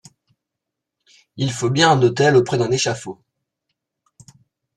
Il faut bien un autel auprès d’un échafaud.